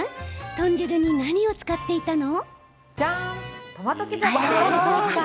豚汁に何を使っていたの？